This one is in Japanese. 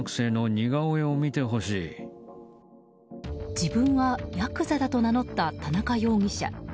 自分はヤクザだと名乗った田中容疑者。